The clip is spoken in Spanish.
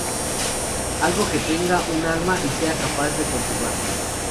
Algo que tenga un alma y sea capaz de conservarla.